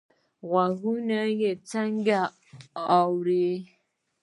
غوږونه څنګه اوري؟